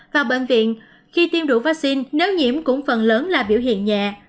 vào bệnh viện khi tiêm đủ vaccine nếu nhiễm cũng phần lớn là biểu hiện nhẹ